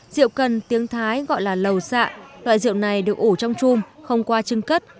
rượu cần tiếng thái gọi là lầu xạ loại rượu này được ủ trong chùm không qua chân cất